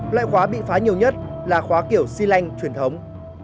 loại khóa bị phá nhiều nhất là khóa kiểu xi lanh truyền thống